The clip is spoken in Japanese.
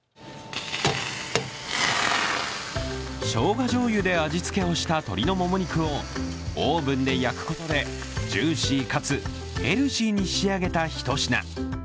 しょうがじょうゆで味付けをした鶏のもも肉をオーブンで焼くことでジューシーかつヘルシーに仕上げたひと品。